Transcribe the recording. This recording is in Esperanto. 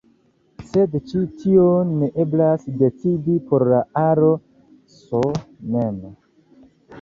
Sed ĉi tion ne eblas decidi por la aro "S" mem.